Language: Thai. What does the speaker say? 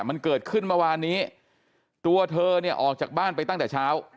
มันเกิดขึ้นเมื่อวานนี้ตัวเธอเนี่ยออกจากบ้านไปตั้งแต่เช้า